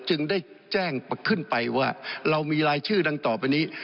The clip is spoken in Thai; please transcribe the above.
จึงได้แจ้งขึ้นไปว่าเรามีรายชื่อดังต่อไปนี้